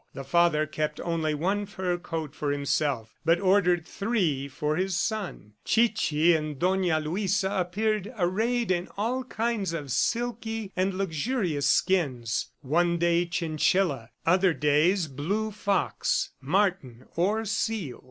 The father kept only one fur coat for himself but ordered three for his son. Chichi and Dona Luisa appeared arrayed in all kinds of silky and luxurious skins one day chinchilla, other days blue fox, marten or seal.